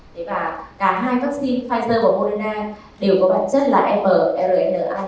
thế và cả hai vắc xin pfizer và moderna đều có bản chất là mrna